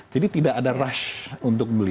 jadi tidak ada rush untuk beli